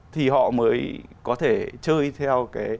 thì họ mới có thể chơi theo